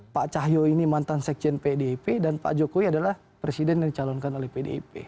pak cahyo ini mantan sekjen pdip dan pak jokowi adalah presiden yang dicalonkan oleh pdip